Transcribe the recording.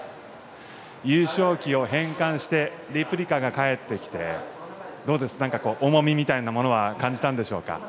優勝旗を返還してレプリカが返ってきてどうですか、重みみたいなものは感じたんでしょうか。